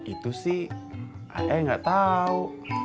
itu sih ayah nggak tahu